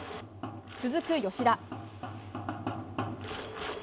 続く吉田。